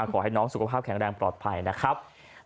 ขอให้น้องสุขภาพแข็งแรงปลอดภัยนะครับ